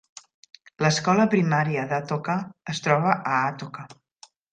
L'escola primària d'Atoka es troba a Atoka.